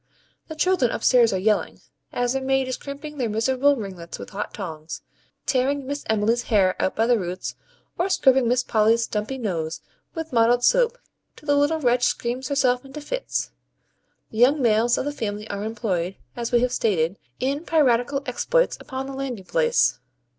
The children upstairs are yelling, as their maid is crimping their miserable ringlets with hot tongs, tearing Miss Emmy's hair out by the roots, or scrubbing Miss Polly's dumpy nose with mottled soap till the little wretch screams herself into fits. The young males of the family are employed, as we have stated, in piratical exploits upon the landing place.